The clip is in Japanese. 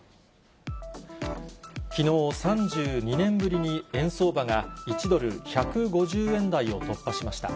きのう、３２年ぶりに円相場が１ドル１５０円台を突破しました。